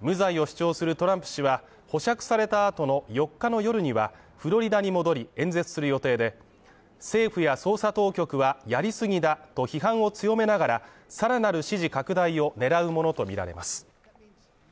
無罪を主張するトランプ氏は保釈された後の４日の夜には、フロリダに戻り演説する予定で、政府や捜査当局はやりすぎだと批判を強めながらさらなる支持拡大を狙うものとみられます。